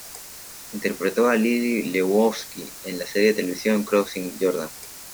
Interpretó a Lily Lebowski en la serie de televisión "Crossing Jordan".